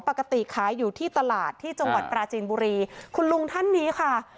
ปกติขายอยู่ที่ตลาดที่จังหวัดปราจีนบุรีคุณลุงท่านนี้ค่ะ